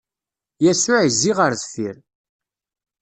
Yasuɛ izzi ɣer deffir.